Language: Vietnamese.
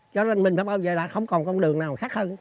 cho nên mình phải bảo vệ đảng không còn con đường nào khác hơn